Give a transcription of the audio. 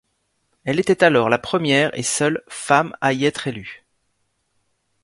Elle était alors la première, et seule, femme à y être élue.